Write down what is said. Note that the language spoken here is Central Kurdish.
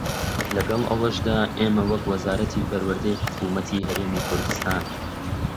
لەگەڵ ئەوەشدا ئێمە وەک وەزارەتی پەروەردەی حکوومەتی هەرێمی کوردستان